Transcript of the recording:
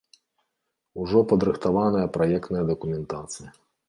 Ужо падрыхтаваная праектная дакументацыя.